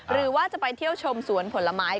หรือว่าจะไปเที่ยวชมสวนผลไม้